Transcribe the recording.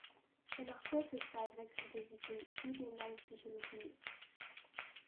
Schon nach kurzer Zeit wechselte sie zum Studiengang Psychologie.